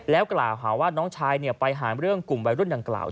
กล่าวหาว่าน้องชายไปหาเรื่องกลุ่มวัยรุ่นดังกล่าว